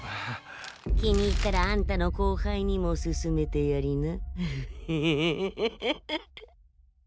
気に入ったらあんたの後輩にもすすめてやりな。